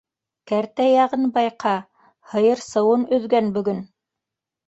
- Кәртә яғын байҡа - һыйыр сыуын өҙгән бөгөн!